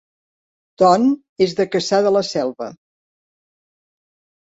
Ton és de Cassà de la Selva